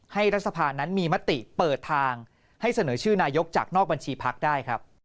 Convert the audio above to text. รัฐสภานั้นมีมติเปิดทางให้เสนอชื่อนายกจากนอกบัญชีพักได้ครับ